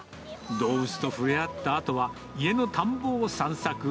動物と触れ合ったあとは、家の田んぼを散策。